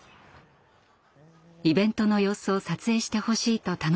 イベントの様子を撮影してほしいと頼まれたのです。